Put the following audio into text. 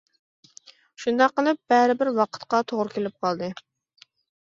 شۇنداق قىلىپ، بەرىبىر ۋاقىتقا توغرا كېلىپ قالدى.